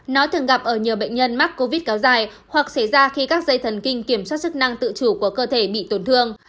nó thường gặp ở nhiều bệnh nhân mắc covid kéo dài hoặc xảy ra khi các dây thần kinh kiểm soát sức năng tự chủ của cơ thể bị tổn thương